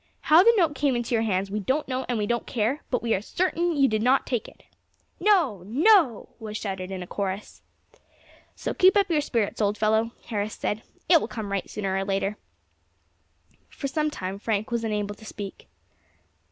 How the note came into your hands we don't know and we don't care, but we are certain you did not take it." "No! no!" was shouted in a chorus. "So keep up your spirits, old fellow," Harris said, "it will come right sooner or later." For some time Frank was unable to speak.